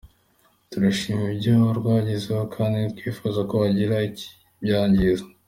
Turashima ibyo rwagezeho kandi ntitwifuza ko hagira ikibyangiza.